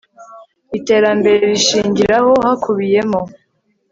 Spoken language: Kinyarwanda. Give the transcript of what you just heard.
iterambere rishingiraho hakubiyemo